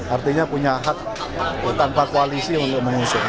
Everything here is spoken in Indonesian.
artinya punya hak tanpa koalisi untuk mengusung